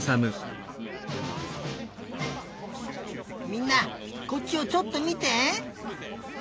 みんなこっちをちょっとみて！